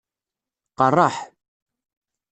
Qeṛṛeḥ.